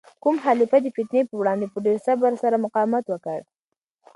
کوم خلیفه د فتنې په وړاندې په ډیر صبر سره مقاومت وکړ؟